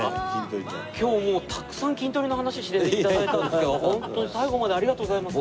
今日たくさん『キントリ』の話して頂いたんですけどホントに最後までありがとうございます。